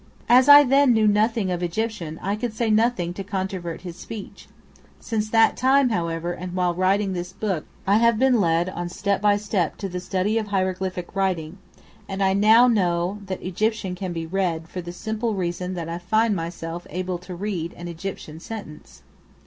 As I then knew nothing of Egyptian, I could say nothing to controvert this speech. Since that time, however, and while writing this book, I have been led on step by step to the study of hieroglyphic writing, and I now know that Egyptian can be read, for the simple reason that I find myself able to read an Egyptian sentence.